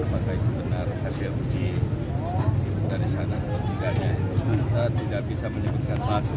pada saat itu benar hasil uji dari sana untuk jidatnya kita tidak bisa menyebutkan mas